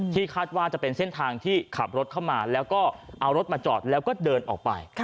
คาดว่าจะเป็นเส้นทางที่ขับรถเข้ามาแล้วก็เอารถมาจอดแล้วก็เดินออกไป